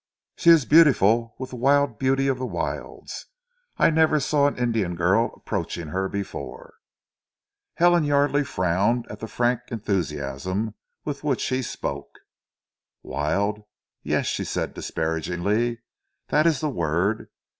She is beautiful with the wild beauty of the wilds. I never saw an Indian girl approaching her before." Helen Yardely frowned at the frank enthusiasm with which he spoke. "Wild? Yes," she said disparagingly. "That is the word.